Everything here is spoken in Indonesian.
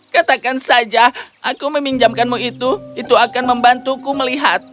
katakan saja aku meminjamkanmu itu itu akan membantuku melihat